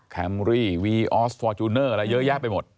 แคมรี่วีออสฟอร์จูเนอร์อะไรเยอะแยะไปหมด